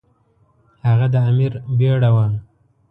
هغه د امیر بیړه وه.